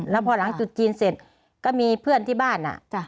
แล้วพอหลังจุดจีนเสร็จก็มีเพื่อนที่บ้าน